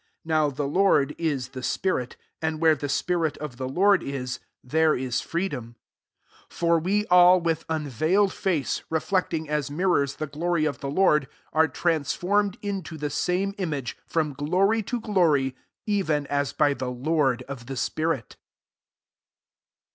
17 Now the lOrd is the spirit : and where he spirit of the Lord is, [^there] is freedom.) 18 For we all, with unveiled face, reflecting as mir rors the glory of 'the Lord, are transformed inio the same image, from glory to glory, even as by the Lord of the spirit.